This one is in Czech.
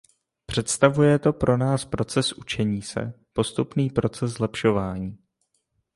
Představuje to pro nás proces učení se, postupný proces zlepšování.